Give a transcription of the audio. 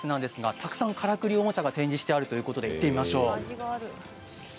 たくさんからくりおもちゃが展示してありますので行ってみましょう。